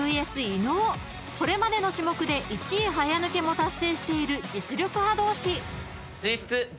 ［これまでの種目で１位早抜けも達成している実力派同士］